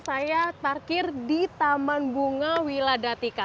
saya parkir di taman bunga wiladatika